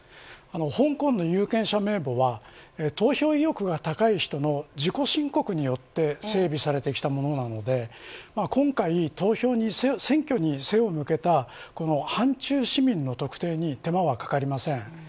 香港の有権者名簿は投票意欲が高い人の自己申告によって整備されてきたものなので今回選挙に背を向けたこの反中市民の特定に手間はかかりません。